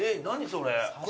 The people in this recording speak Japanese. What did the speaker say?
それ！